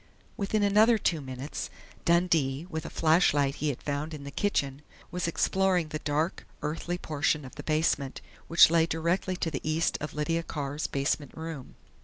_ Within another two minutes, Dundee, with a flashlight he had found in the kitchen, was exploring the dark, earthy portion of the basement which lay directly to the east of Lydia Carr's basement room.